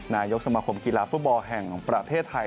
นายกสมาคมกีฬาฟุตบอลแห่งประเทศไทย